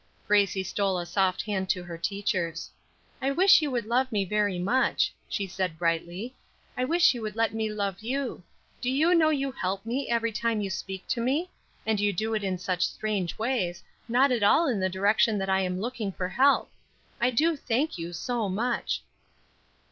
Grace stole a soft hand into her teacher's. "I wish you would love me very much," she said, brightly. "I wish you would let me love you. Do you know you help me every time you speak to me? and you do it in such strange ways, not at all in the direction that I am looking for help. I do thank you so much."